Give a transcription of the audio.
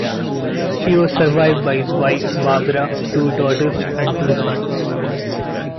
He was survived by his wife Barbara, two daughters, and two sons.